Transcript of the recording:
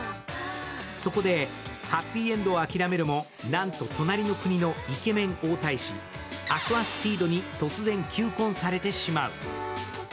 そこでハッピーエンドを諦めるも、なんと隣の国のイケメン王太子・アクアスティードに突然、求婚されてしまう。